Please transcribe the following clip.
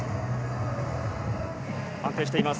安定しています。